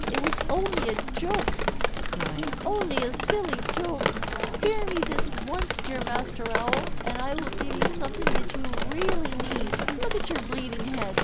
"It was only a joke," he cried. "Only a silly joke. Spare me this once, dear Master Owl, and I will give you something that you really need. Look at your bleeding head.